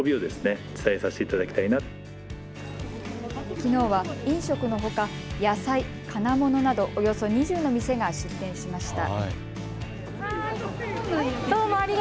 きのうは飲食のほか野菜、金物などおよそ２０の店が出店しました。